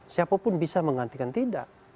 siapapun bisa menggantikan tidak